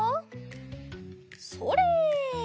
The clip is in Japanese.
それ！